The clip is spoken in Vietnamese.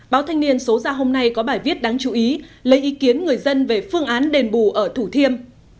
báo thanh niên số ra hôm nay có bài viết đáng chú ý lấy ý kiến người dân về phương án đền bù ở thủ thiêm